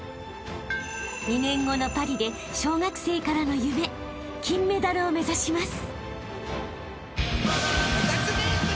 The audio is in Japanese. ［２年後のパリで小学生からの夢金メダルを目指します］